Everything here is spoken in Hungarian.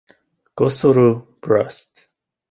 Koszorú Brust.